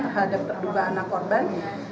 terhadap terduga anak korban